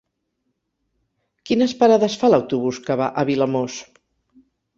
Quines parades fa l'autobús que va a Vilamòs?